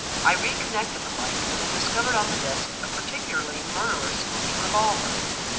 I re connected the light, and then discovered on the desk a particularly murderous looking revolver.